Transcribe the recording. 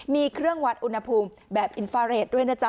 มีเครื่องวัดอุณหภูมิแบบอินฟาเรทด้วยนะจ๊